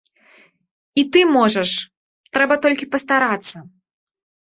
І ты можаш, трэба толькі пастарацца.